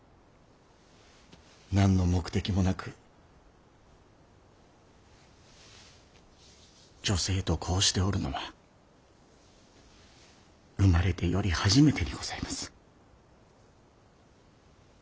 何の目的もなく女性とこうしておるのは生まれてより初めてにございます。